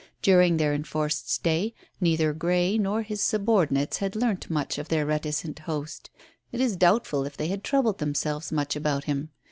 During their enforced stay neither Grey nor his subordinates had learnt much of their reticent host. It is doubtful if they had troubled themselves much about him.